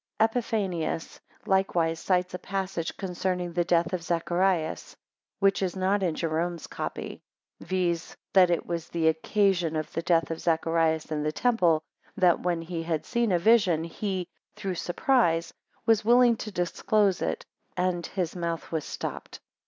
Epiphanius likewise cites a passage concerning the death of Zacharias, which is not in Jerome's copy, viz.: "That it was the occasion of the death of Zacharias in the temple, that when he had seen a vision, he, through surprise, was willing to disclose it, and his mouth was stopped.